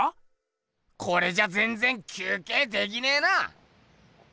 これじゃぜんぜん休けいできねえな。